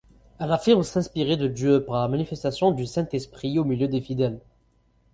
Elle affirme s'inspirer de Dieu par la manifestation du Saint-Esprit au milieu des fidèles.